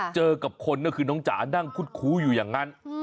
เจอกับคนก็คือน้องจ๋านั่งคุดคู้อยู่อย่างนั้น